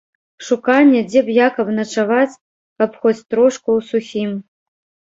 Шуканне, дзе б як абначаваць, каб хоць трошку ў сухім.